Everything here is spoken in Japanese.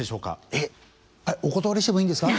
えっお断りしてもいいんですか？